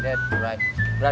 mengguna orang lain